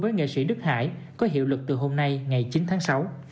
với đức hải có hiệu lực từ hôm nay ngày chín tháng sáu